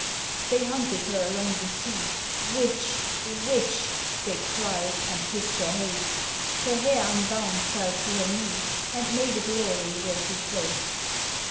They hunted her along the sea, "Witch, Witch!" they cried and hissed their hate Her hair unbound fell to her knee And made a glory where she sate.